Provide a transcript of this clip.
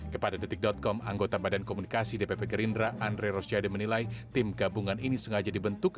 kepada detik com anggota badan komunikasi dpp gerindra andre rosyade menilai tim gabungan ini sengaja dibentuk